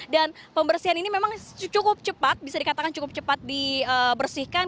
dan pembersihan ini memang cukup cepat bisa dikatakan cukup cepat dibersihkan